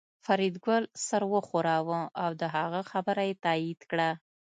فریدګل سر وښوراوه او د هغه خبره یې تایید کړه